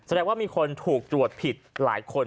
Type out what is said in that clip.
ว่ามีคนถูกตรวจผิดหลายคน